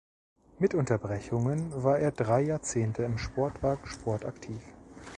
Mit Unterbrechungen war er drei Jahrzehnte im Sportwagensport aktiv.